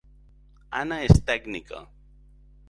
Anna és tècnica